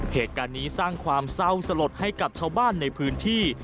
เหตุการณ์นี้สร้างความเศร้าสลดให้กับชาวบ้านในพื้นที่